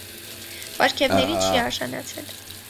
Պարգևների չի արժանացել։